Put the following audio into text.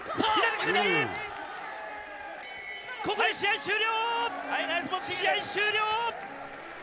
ここで試合終了！